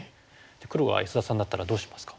黒は安田さんだったらどうしますか？